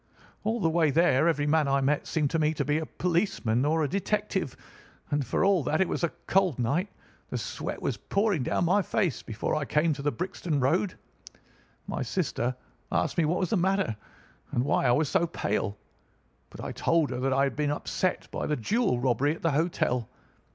All the way there every man I met seemed to me to be a policeman or a detective; and, for all that it was a cold night, the sweat was pouring down my face before I came to the Brixton Road. My sister asked me what was the matter, and why I was so pale; but I told her that I had been upset by the jewel robbery at the hotel.